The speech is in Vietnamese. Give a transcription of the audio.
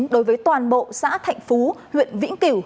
đối với toàn bộ xã thạnh phú huyện vĩnh kiểu